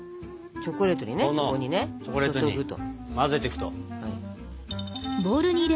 チョコレートに混ぜてくと。